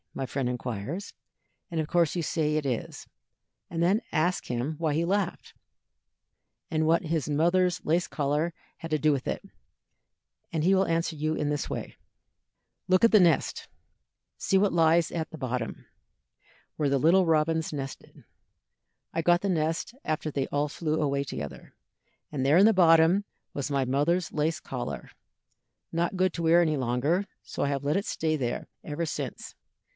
my friend inquires, and of course you say it is, and then ask him why he laughed, and what his mother's lace collar had to do with it, and he will answer you in this way: "Look in the nest. See what lies on the bottom, where the little robins nestled. I got the nest after they all flew away together, and there in the bottom was my mother's lace collar, not good to wear any longer, so I have let it stay there ever since.